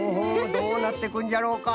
どうなってくんじゃろうか。